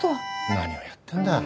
何をやってんだ。